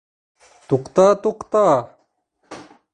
Туҡта, туҡта.